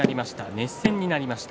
熱戦になりました。